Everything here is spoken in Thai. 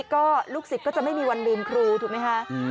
ก็ลูกศิษย์ก็จะไม่มีวันลืมครูถูกไหมคะ